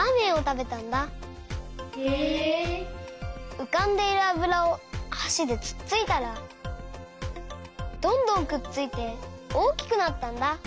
うかんでいるあぶらをはしでつっついたらどんどんくっついておおきくなったんだ。